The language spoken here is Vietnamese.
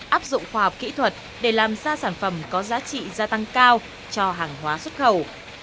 áp dụng khoa học kỹ thuật để làm ra sản phẩm có giá trị gia tăng cao cho hàng hóa xuất khẩu